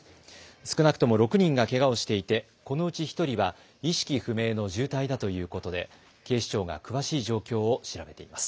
少なくとも６人がけがをしていてこのうち１人は意識不明の重体だということで警視庁が詳しい状況を調べています。